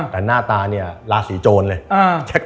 แต่หน้าตาเนี่ยราศีโจรเลย